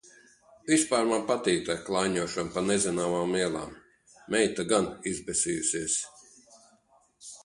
Vispār man patīk tā klaiņošana pa nezināmām ielām. Meita gan izbesījusies.